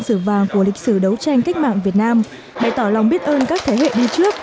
sử vàng của lịch sử đấu tranh cách mạng việt nam bày tỏ lòng biết ơn các thế hệ đi trước